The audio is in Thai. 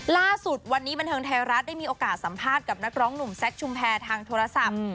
ล่าสุดวันนี้บันเทิงไทยรัฐได้มีโอกาสสัมภาษณ์กับนักร้องหนุ่มแซคชุมแพรทางโทรศัพท์